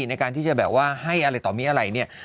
ในการที่จะแบบว่าให้อะไรต่อมีอะไรเนี่ย